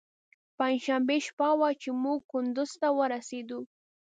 پنجشنبې شپه وه چې موږ کندوز ته ورسېدو.